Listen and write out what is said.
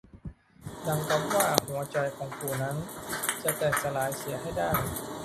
ดังกับว่าหัวใจของปู่นั้นจะแตกสลายเสียให้ได้